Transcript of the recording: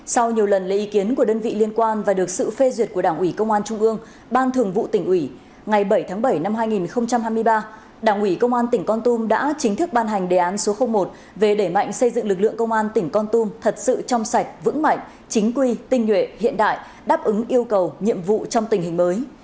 sau nhiều lần lấy ý kiến của đơn vị liên quan và được sự phê duyệt của đảng ủy công an trung ương ban thường vụ tỉnh ủy ngày bảy tháng bảy năm hai nghìn hai mươi ba đảng ủy công an tỉnh con tum đã chính thức ban hành đề án số một về đẩy mạnh xây dựng lực lượng công an tỉnh con tum thật sự trong sạch vững mạnh chính quy tinh nhuệ hiện đại đáp ứng yêu cầu nhiệm vụ trong tình hình mới